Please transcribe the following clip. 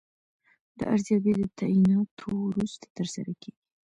دا ارزیابي د تعیناتو وروسته ترسره کیږي.